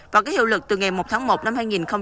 và có hiệu lực từ ngày một tháng một năm hai nghìn hai mươi